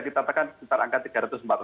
kita tekan di angka tiga ratus empat ratus